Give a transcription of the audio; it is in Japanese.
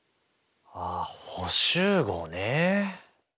ああ補集合ね。